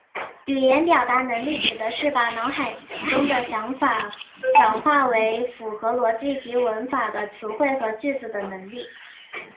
语言表达能力指的是把脑海中的想法转换为符合逻辑及文法的词汇和句子的能力。